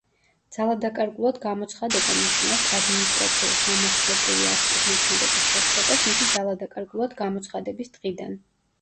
ძალადაკარგულად გამოცხადება ნიშნავს ადმინისტრაციულ-სამართლებრივი აქტის მოქმედების შეწყვეტას მისი ძალადაკარგულად გამოცხადების დღიდან.